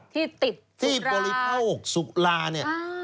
ที่ติดสุรารที่บริภาพสลุราร